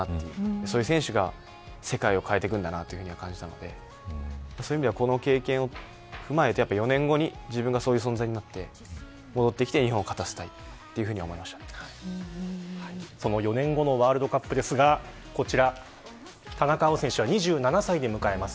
そういう選手が世界を変えていくんだなと感じたのでそういう意味ではこの経験を踏まえて４年後に自分がそういう存在になって戻ってきてその４年後のワールドカップですが、こちら田中碧選手は２７歳で迎えます。